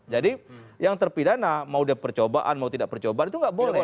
jadi yang terpidana mau ada percobaan mau tidak percobaan itu tidak boleh